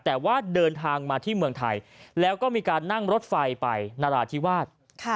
แต่ว่าเดินทางมาที่เมืองไทยแล้วก็มีการนั่งรถไฟไปนราธิวาส